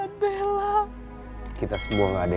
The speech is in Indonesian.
masih sudah bem objetivo selesai ribet